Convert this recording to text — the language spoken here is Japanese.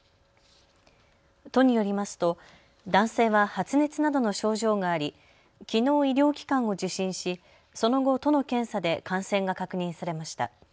都によりますと男性は発熱などの症状がありきのう、医療機関を受診しその後、都の検査で感染が確認されました。